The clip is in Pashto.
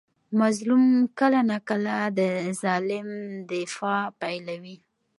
مظلوم کله ناکله د ظالم دفاع پیلوي.